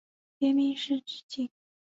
别名是直景。